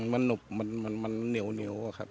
มันเหนียวค่ะ